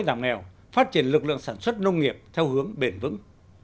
giảm nghèo phát triển lực lượng sản xuất nông nghiệp theo hướng bền vững